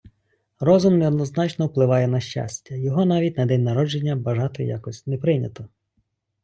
Розум неоднозначно впливає на щастя, його навіть на день народження бажати якось не прийнято.